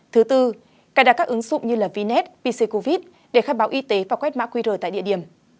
thứ tư cài đặt các ứng dụng như vinet pc covid để khai báo y tế và quét mã qr tại địa điểm